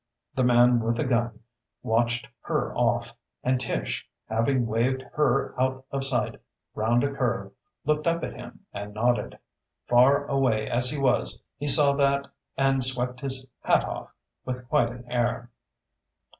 The man with a gun watched "her" off, and Tish, having waved "her" out of sight round a curve, looked up at him and nodded. Far away as he was, he saw that and swept his hat off with quite an air.